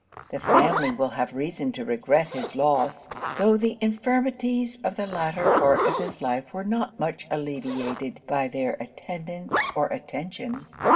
The family will have reason to regret his loss; tho' the infirmities of the latter part of his life were not much alleviated by their attendance or attention.